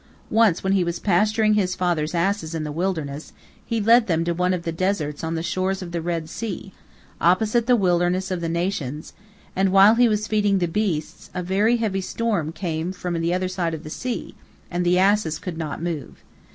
Once when he was pasturing his father's asses in the wilderness, he led them to one of the deserts on the shores of the Red Sea, opposite the wilderness of the nations, and while he was feeding the beasts, a very heavy storm came from the other side of the sea, and the asses could not move.